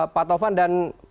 pak taufan dan